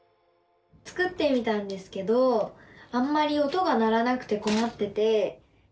作ってみたんですけどあんまり音が鳴らなくてこまってて。